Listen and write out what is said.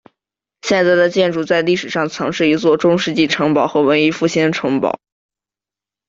现在的建筑在历史上曾是一座中世纪城堡和文艺复兴城堡。